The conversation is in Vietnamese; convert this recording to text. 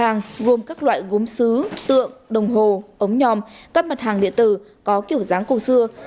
hàng gồm các loại gốm xứ tượng đồng hồ ống nhòm các mặt hàng điện tử có kiểu dáng cổ xưa